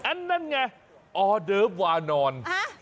อันนั้นไงออเดอร์ฟวานอน